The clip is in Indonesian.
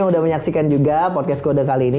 anda sudah menyaksikan juga podcast kode kali ini